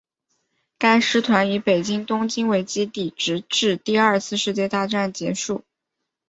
该师团以日本东京为基地直至第二次世界大战结束。